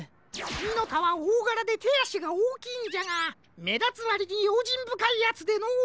ミノタはおおがらでてあしがおおきいんじゃがめだつわりにようじんぶかいやつでのう。